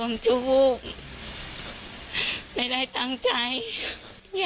เนี่ย